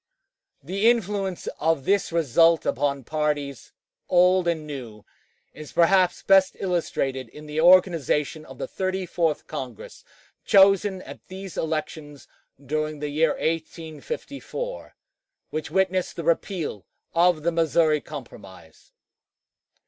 The influence of this result upon parties, old and new, is perhaps best illustrated in the organization of the Thirty fourth Congress, chosen at these elections during the year 1854, which witnessed the repeal of the Missouri Compromise.